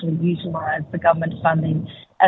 apakah kita bisa menggunakan pendanaan pemerintah